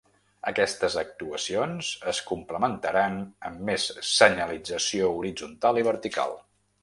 Aquestes actuacions es complementaran amb més senyalització horitzontal i vertical.